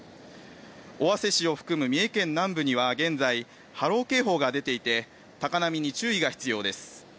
尾鷲市を含む三重県南部には現在、波浪警報が出ていて高波に注意が必要です。